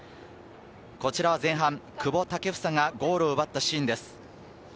こちらは前半、久保建英がゴールを奪ったシーンです。